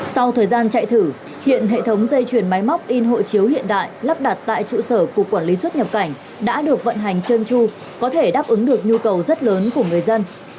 sau thời gian chạy thử hiện hệ thống dây chuyển máy móc in hộ chiếu hiện đại lắp đặt tại trụ sở cục quản lý xuất nhập cảnh đã được vận hành chân chu có thể đáp ứng được nhu cầu rất lớn của người dân